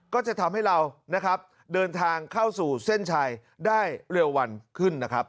ก็จะทำให้เรานะครับเดินทางเข้าสู่เส้นชัยได้เร็ววันขึ้นนะครับ